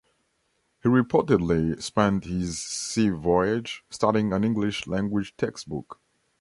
He reportedly spent his sea voyage studying an English language textbook.